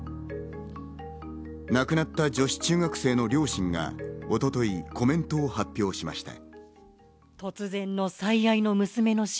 亡くなった女子中学生の両親が一昨日、コメントを発表しました。